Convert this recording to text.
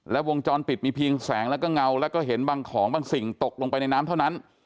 และวงจรปิดมีเพียงแสงแล้วก็เงาแล้วก็เห็นบางของบางสิ่งตกลงไปในน้ำเท่านั้น